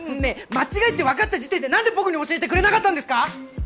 間違えってわかった時点でなんで僕に教えてくれなかったんですか？